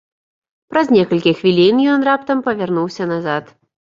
Праз некалькі хвілін ён раптам павярнуўся назад.